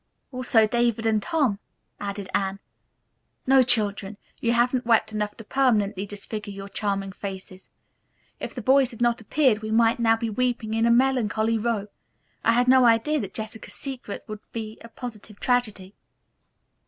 "Also David and Tom," added Anne. "No, children, you haven't wept enough to permanently disfigure your charming faces. If the boys had not appeared we might now be weeping in a melancholy row. I had no idea that Jessica's secret was to be a positive tragedy."